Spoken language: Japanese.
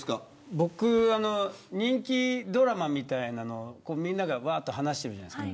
僕、人気ドラマみたいなのをみんなが、わーっと話してるじゃないですか。